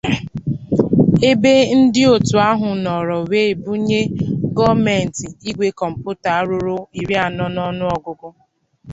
ebe ndị òtù ahụ nọrọ wee bunye gọọmentị igwè kọmputa ruru iri anọ n'ọnụọgụgụ